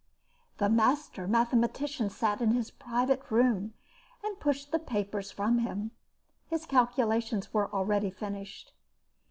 The master mathematician sat in his private room and pushed the papers from him. His calculations were already finished.